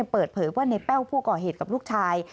เปิดเผยว่าในแป้วผู้ก่อเหตุกับลูกชาย